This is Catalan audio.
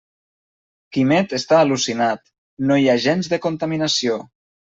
Quimet està al·lucinat: no hi ha gens de contaminació.